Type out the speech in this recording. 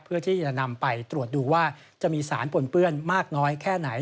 เพื่อที่จะนำไปตรวจดูว่าจะมีสารปนเปื้อนมากน้อยแค่ไหน